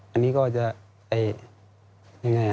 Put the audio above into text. อันนี้ก็จะยังไง